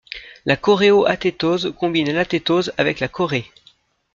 La choréo-athétose combine l'athétose avec la chorée.